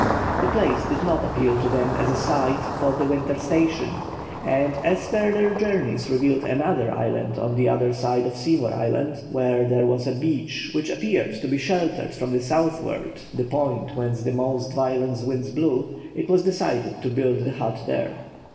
The place did not appeal to them as a site for the winter station, and, as further journeys revealed another island on the other side of Seymour Island, where there was a beach which appeared to be sheltered from the southward, the point whence the most violent winds blew, it was decided to build the hut there.